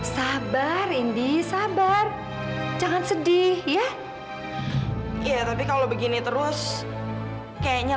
karena saya gak suka kamu menemikannya